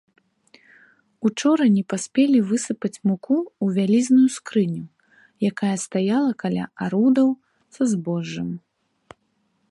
Учора не паспелі высыпаць муку ў вялізную скрыню, якая стаяла каля арудаў са збожжам.